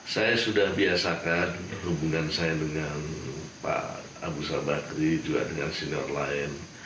saya sudah biasakan hubungan saya dengan pak abu salbakri juga dengan senior lain